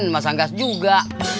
masang gas juga